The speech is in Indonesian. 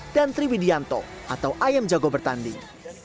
dan tri widianto atau ayam jago bertanding